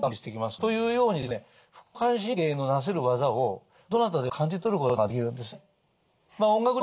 というようにですね副交感神経のなせる業をどなたでも感じ取ることができるんですね。